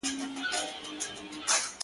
نه یوه مسته ترانه سته زه به چیري ځمه!!